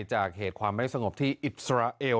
จากเหตุความไม่สงบที่อิสราเอล